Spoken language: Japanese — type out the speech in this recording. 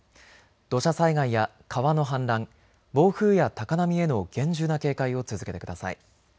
土砂災害や川の氾濫、暴風や高波への厳重な警戒を続けてください。